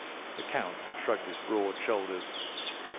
The Count shrugged his broad shoulders.